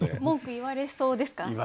文句言われそうですか？